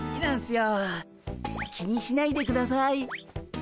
気にしないでください。